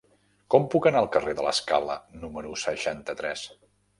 Com puc anar al carrer de l'Escala número seixanta-tres?